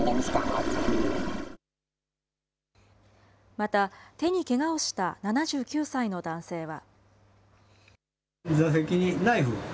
また、手にけがをした７９歳の男性は。